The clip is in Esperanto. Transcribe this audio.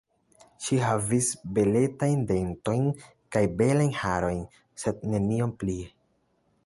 Ŝi havis beletajn dentojn kaj belajn harojn, sed nenion plie.